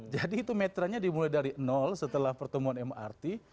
jadi itu metranya dimulai dari nol setelah pertemuan mrt